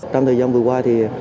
trong thời gian vừa qua thì